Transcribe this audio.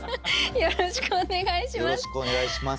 よろしくお願いします。